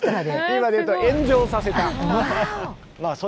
今で言うと炎上させた。